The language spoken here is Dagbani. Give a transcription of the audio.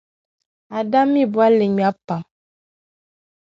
Adam mi bɔlli ŋmebu pam.